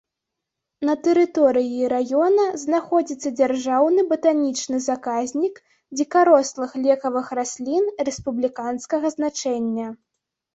На тэрыторыі раёна знаходзіцца дзяржаўны батанічны заказнік дзікарослых лекавых раслін рэспубліканскага значэння.